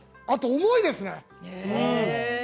あと、重いですね。